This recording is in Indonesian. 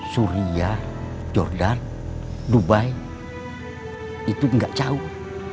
suria jordan dubai itu gak jauh